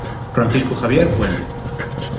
Francisco Javier Puente.